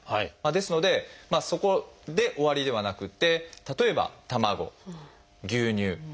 ですのでそこで終わりではなくて例えば卵牛乳ヨーグルト